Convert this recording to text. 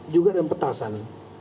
juga ada petasan